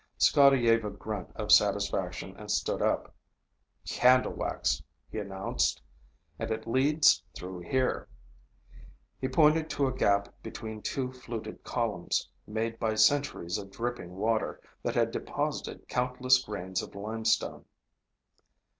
Scotty gave a grunt of satisfaction and stood up. "Candle wax," he announced. "And it leads through here." He pointed to a gap between two fluted columns, made by centuries of dripping water that had deposited countless grains of limestone.